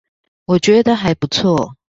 我覺得還不錯